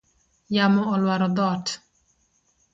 Yamo oluaro dhot